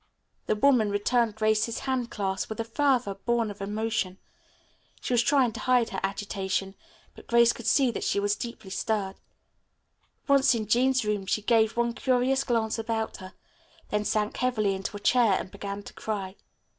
The woman returned Grace's hand clasp with a fervor born of emotion. She was trying to hide her agitation, but Grace could see that she was deeply stirred. Once in Jean's room she gave one curious glance about her, then sank heavily into a chair and began to cry.